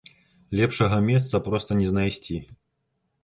Лепшага месца проста не знайсці.